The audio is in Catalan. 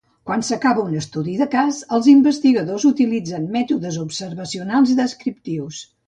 Quan s'acaba un estudi de cas, els investigadors utilitzen mètodes observacionals descriptius.